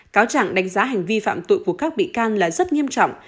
cáo trạng đánh giá hành vi phạm tội của các bị can là rất nghiêm trọng